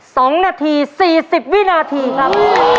สองนาทีสี่สิบวินาทีครับ